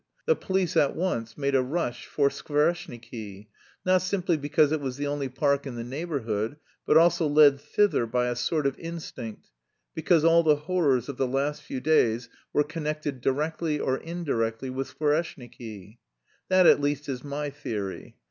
The police at once made a rush for Skvoreshniki, not simply because it was the only park in the neighbourhood but also led thither by a sort of instinct because all the horrors of the last few days were connected directly or indirectly with Skvoreshniki. That at least is my theory.